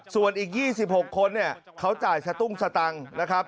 ส่วนอีก๒๖คนเขาจ่ายชะตุ้งชะตังนะครับ